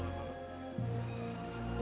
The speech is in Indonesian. ya kayaknya suka lu